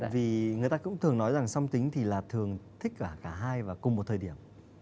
vì người ta cũng thường nói rằng song tính thì là thường thích cả hai và cùng một thời điểm